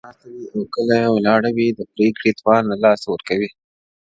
مور کله ناسته کله ولاړه وي او د پرېکړې توان له لاسه ورکوي,